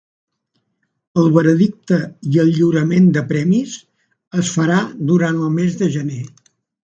El veredicte i el lliurament de premis es farà durant el mes de gener.